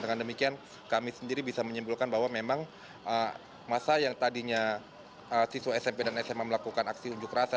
dengan demikian kami sendiri bisa menyimpulkan bahwa memang masa yang tadinya siswa smp dan sma melakukan aksi unjuk rasa